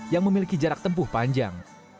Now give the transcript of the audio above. yang memiliki jarak tempuh panjang